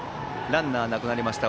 ランナーなくなりました。